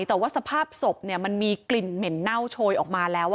แต่ว่าสภาพศพมันมีกลิ่นเหม็นเน่าโชยออกมาแล้ว